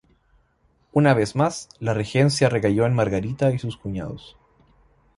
Una vez más, la regencia recayó en Margarita y sus cuñados.